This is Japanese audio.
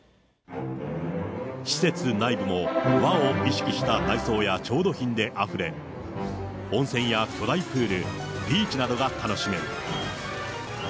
施設内部も和を意識した内装や調度品であふれ、温泉や巨大プール、ビーチなどが楽しめる。